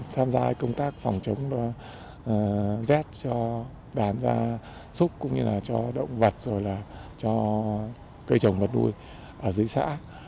tham gia công tác phòng chống rét cho đàn gia súc cũng như là cho động vật rồi là cho cây trồng vật nuôi ở dưới xã